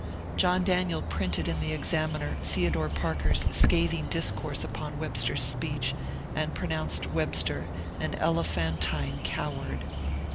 John Daniel printed in the ^^ Examiner " Theodore Parker's scathing discourse upon Web ster's speech, and pronounced Webster an ^^ elephantine cow ard."